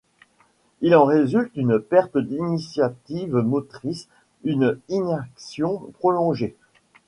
Il en résulte une perte d'initiative motrice, une inaction prolongée.